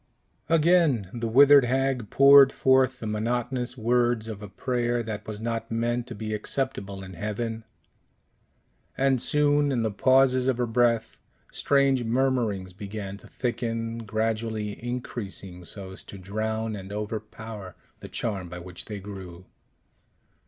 Again the withered hag poured forth the monotonous words of a prayer that was not meant to be acceptable in heaven; and soon, in the pauses of her breath, strange murmurings began to thicken, gradually increasing so as to drown and overpower the charm by which they grew.